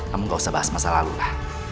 kamu gak usah bahas masa lalu lah